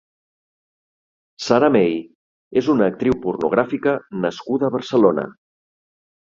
Sara May és una actriu pornogràfica nascuda a Barcelona.